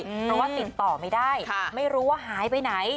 เพราะว่าติดต่อไม่ได้ไม่รู้ว่าหายไปไหน